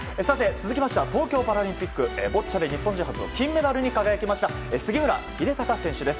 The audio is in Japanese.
続きましては東京パラリンピックボッチャで日本人初の金メダルに輝いた杉村英孝選手です。